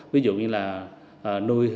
ví dụ như là mô hình nuôi tô